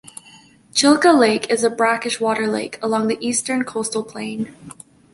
Chilka Lake is a brackish water lake along the eastern coastal plain.